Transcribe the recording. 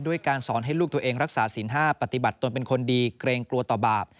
การสอนให้ลูกตัวเองรักษาศีล๕ปฏิบัติตนเป็นคนดีเกรงกลัวต่อบาป